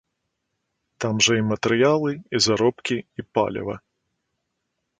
Там жа і матэрыялы, і заробкі, і паліва.